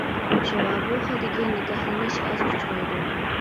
شۇڭا بۇ خىلدىكى نىكاھلىنىش ئاز ئۇچرايدۇ.